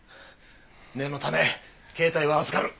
念のため携帯は預かる。